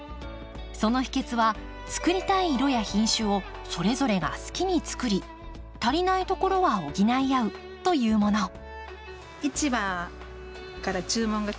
その秘けつはつくりたい色や品種をそれぞれが好きにつくり足りないところは補い合うというもの。